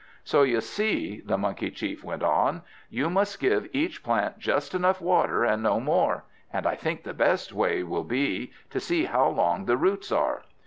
"So you see," the Monkey chief went on, "you must give each plant just enough water, and no more; and I think the best way will be, to see how long the roots are."